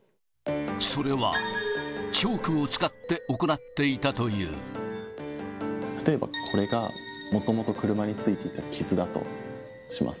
それは、チョークを使って行例えばこれが、もともと車についていた傷だとします。